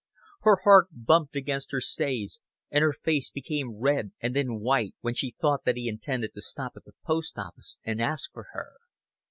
Her heart bumped against her stays, and her face became red and then white, when she thought that he intended to stop at the post office and ask for her.